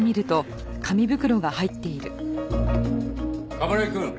冠城くん。